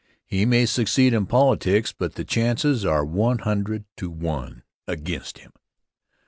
He may succeed in politics, but the chances are 100 to 1 against him.